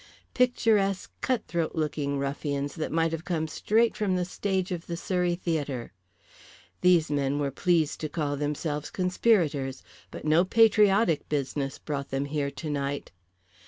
Picturesque, cut throat looking ruffians that might have come straight from the stage of the Surrey Theatre. These men were pleased to call themselves conspirators. But no patriotic business brought them here tonight.